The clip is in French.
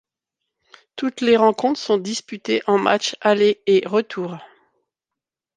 Toutes les rencontres sont disputées en matchs aller et retour.